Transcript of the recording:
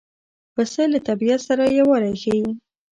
پسه له طبیعت سره یووالی ښيي.